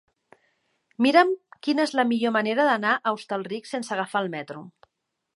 Mira'm quina és la millor manera d'anar a Hostalric sense agafar el metro.